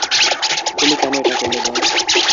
তুমি কেন এটা করলে ডন?